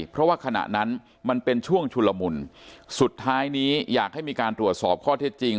เพราะว่าขณะนั้นมันเป็นช่วงชุลมุนสุดท้ายนี้อยากให้มีการตรวจสอบข้อเท็จจริง